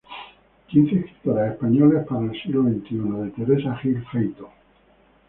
Quince escritoras españolas para el siglo veintiuno" de Teresa Gil Feito.